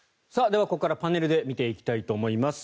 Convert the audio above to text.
ではここからパネルで見ていきたいと思います。